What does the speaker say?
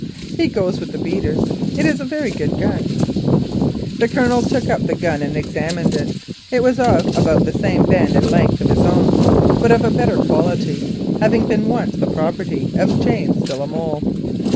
He goes with the beaters. It is a very good gun." The Colonel took up the gun and examined it. It was of about the same bend and length as his own, but of a better quality, having once been the property of James de la Molle.